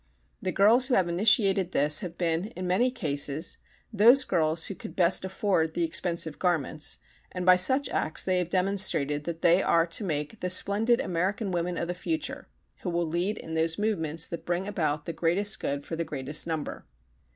The girls who have initiated this have been, in many cases, those girls who could best afford the expensive garments and by such acts they have demonstrated that they are to make the splendid American women of the future, who will lead in those movements that bring about the greatest good to the greatest number.